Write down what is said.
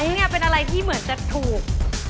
หมูหยองเนี่ยเป็นอะไรที่เหมือนจะถูก